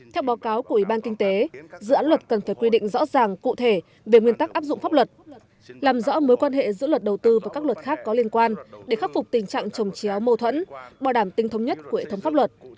theo báo cáo của ủy ban kinh tế dự án luật cần phải quy định rõ ràng cụ thể về nguyên tắc áp dụng pháp luật làm rõ mối quan hệ giữa luật đầu tư và các luật khác có liên quan để khắc phục tình trạng trồng chéo mâu thuẫn bảo đảm tinh thông nhất của hệ thống pháp luật